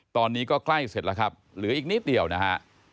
ตอนนี้ก็ใกล้เสร็จแล้วครับเหลืออีกนิดเดียวนะฮะ